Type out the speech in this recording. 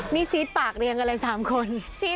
นี่ซีดปากเลยเหรอแหละ๓คน